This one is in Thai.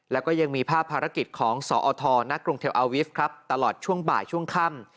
แล้วก็ยังมีภาพภารกิจของสอทณกรุงเทลอาวิฟต์ครับตลอดช่วงบ่ายช่วงค่ำ